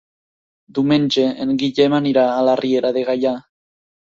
Diumenge en Guillem anirà a la Riera de Gaià.